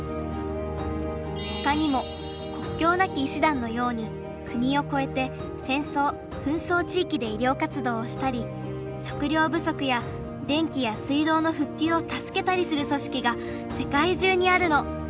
ほかにも国境なき医師団のように国をこえて戦争・紛争地域で医りょう活動をしたり食料ぶそくや電気や水道のふっきゅうを助けたりするそしきが世界中にあるの。